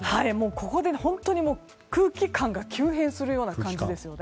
ここで本当に空気感が急変するような感じですよね。